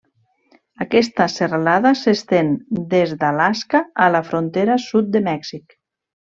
Aquesta serralada s'estén des d'Alaska a la frontera sud de Mèxic.